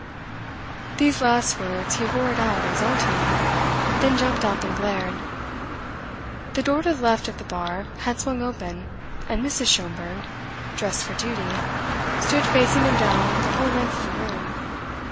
These last words he roared out exultingly, then jumped up and glared. The door to the left of the bar had swung open, and Mrs. Schomberg, dressed for duty, stood facing him down the whole length of the room.